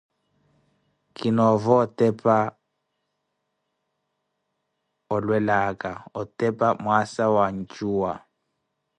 Kinoova otepa olwelaka otepa mwaasa wa ncuwa.